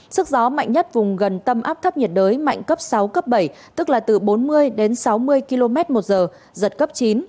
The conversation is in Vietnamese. sức gió mạnh nhất vùng gần tâm áp thấp nhiệt đới mạnh cấp sáu cấp bảy tức là từ bốn mươi đến sáu mươi km một giờ giật cấp chín